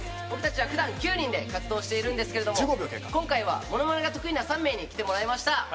僕たちは普段９人で活動しているんですけど今回は物まねが得意な３名に来てもらいました。